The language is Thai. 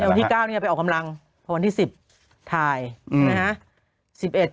วันที่๙เนี่ยไปออกกำลังวันที่๑๐ถ่ายนะฮะ